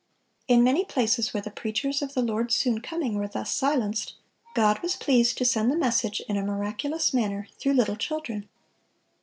In many places where the preachers of the Lord's soon coming were thus silenced, God was pleased to send the message, in a miraculous manner, through little children.